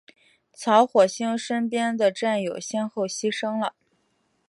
曹火星身边的战友先后牺牲了。